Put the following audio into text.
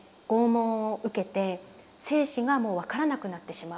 拷問を受けて生死がもう分からなくなってしまう。